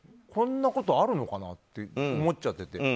こんなことあるのかなと思っちゃってて。